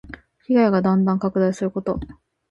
被害がだんだん拡大すること。